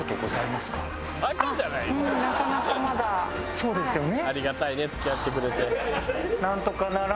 そうですよね。